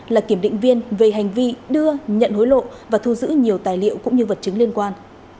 là kiểm định viên về hành vi đưa nhận hối lộ và thu giữ nhiều tài liệu cũng như vật chứng liên quan